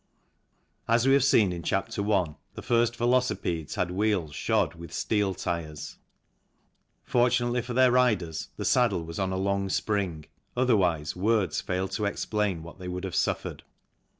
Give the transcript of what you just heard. As we have seen in Chapter I, the first velocipedes had wheels shod with steel tyres ; fortunately for their riders, the saddle was on a long spring, otherwise words fail to explain what they would have suffered.